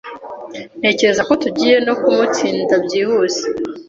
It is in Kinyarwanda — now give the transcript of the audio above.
Ntekereza ko tugiye no kumutsinda byihuse